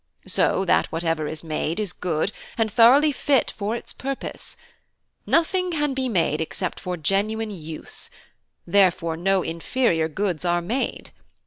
So that whatever is made is good, and thoroughly fit for its purpose. Nothing can be made except for genuine use; therefore no inferior goods are made.